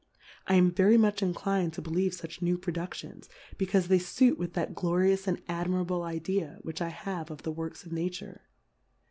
I am very much inclin'd to believe fuch new Produftions, becauie they fuit with that Glorious and Admirable Idea which 1 have of the Works of Nature.